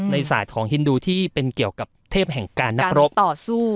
ศาสตร์ของฮินดูที่เป็นเกี่ยวกับเทพแห่งการนักรบต่อสู้